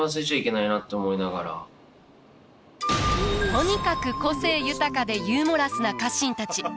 とにかく個性豊かでユーモラスな家臣たち。